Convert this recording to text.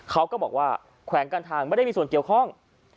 เขาก็บอกว่าแขวงการทางไม่ได้มีส่วนเกี่ยวข้อง